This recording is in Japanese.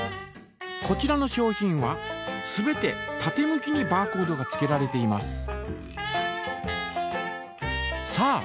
こちらの商品は全て縦向きにバーコードがつけられています。